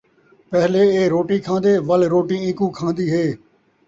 پہلے اے روٹی کھاندے، ول روٹی اینکوں کھاندی ہے